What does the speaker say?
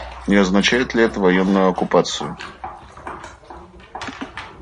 Не означает ли это военную оккупацию?